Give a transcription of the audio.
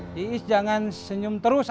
menghilangkan haus sekaligus mengusir lapar juga